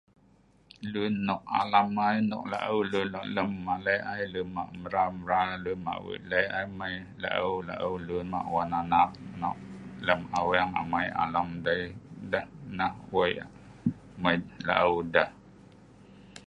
Lun nok alam ai, nok laeu' lun nok lemmale ai, lun mah' mral-mral lun mah' wei' leh' mai laeu-laeu lun mah' wan anak nok lem aweng amai alam dei, deh nah wei' Mai laeu' deh.